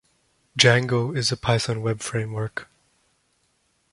Django is a Python web framework.